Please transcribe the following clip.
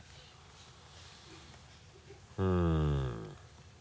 うん。